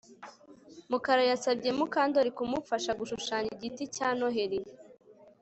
Mukara yasabye Mukandoli kumufasha gushushanya igiti cye cya Noheri